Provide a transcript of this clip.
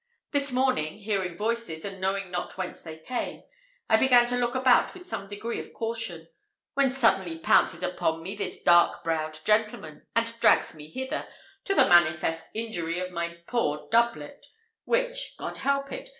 This morning, hearing voices, and knowing not whence they came, I began to look about with some degree of caution, when suddenly pounces upon me this dark browed gentleman, and drags me hither, to the manifest injury of my poor doublet, which, God help it!